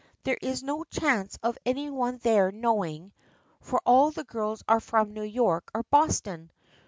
There is no chance of any one there know ing, for all the girls are from New York or Boston.